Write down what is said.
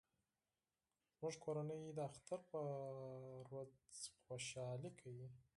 زموږ کورنۍ د اختر په ورځ خوشحالي کوي